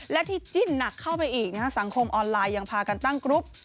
และที่จิ้นหนักเข้าไปอีกสังคมออนไลน์ยังพากันตั้งกรุ๊ป